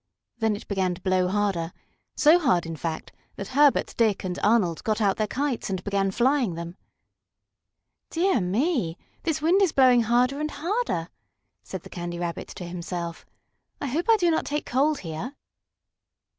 Then it began to blow harder, so hard, in fact, that Herbert, Dick and Arnold got out their kites and began flying them. "Dear me! this wind is blowing harder and harder," said the Candy Rabbit to himself. "I hope I do not take cold here."